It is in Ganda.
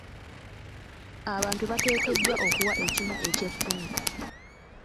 Abantu bateekeddwa okuwa ekimu eky'ekkumi.